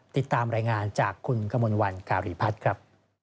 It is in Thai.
ติดตามรายงานจากคุณกมลวันการีพัฒน์ครับ